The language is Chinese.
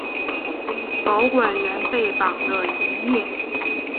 保管员被绑了一夜。